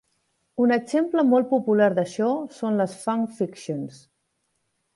Un exemple molt popular d'això són les "fan fictions".